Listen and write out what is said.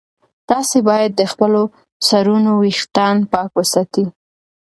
تاسي باید د خپلو سرونو ویښتان پاک وساتئ.